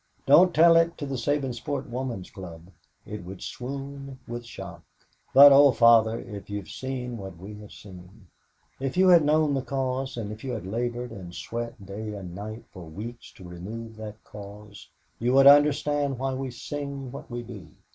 Don't tell it to the Sabinsport Woman's Club. It would swoon with shock but, oh Father, if you'd seen what we have seen if you had known the cause and if you had labored and sweat day and night for weeks to remove that cause, you would understand why we sing what we do.